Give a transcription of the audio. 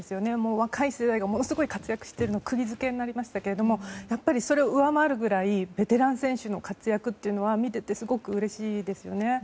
若い世代がものすごい活躍してるのに釘付けになりましたがそれを上回るくらいベテラン選手の活躍というのは見ていてすごくうれしいですね。